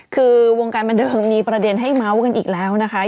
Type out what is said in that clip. คือวงการบันเทิงมีประเด็นให้เมาส์กันอีกแล้วนะคะ